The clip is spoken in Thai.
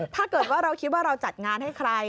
ถ้าเกิดว่าเราคิดว่าเราจัดงานให้ใคร